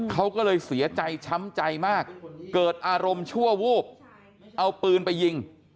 เขาก็เลยเสียใจช้ำใจมากเกิดอารมณ์ชั่ววูบเอาปืนไปยิง